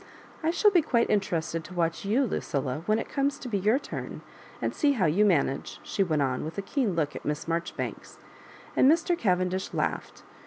^* I shall be quite interested to watch you, Lucilla, when it comes to be your tarn, and see how you manage," she went on, with a keen look at Miss Marjoribanks ; and Mr. Cavendish laughed.